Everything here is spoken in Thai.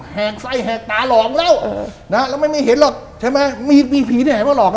แผกไต้แหากตาหลอกแล้วไม่เห็นหรอก